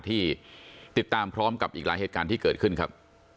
ที่ติดตามพร้อมกับอีกหลายเหตุการณ์ที่เกิดขึ้นครับ